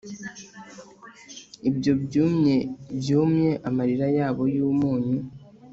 Ibyo byumye byumye amarira yabo yumunyu